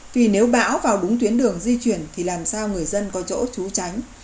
vì nếu bão vào đúng tuyến đường di chuyển thì làm sao người dân có chỗ trú tránh